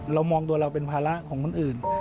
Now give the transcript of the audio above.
เรามองตัวเราเป็นภาระของคนอื่น